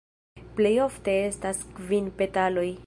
Plej ofte estas kvin petaloj.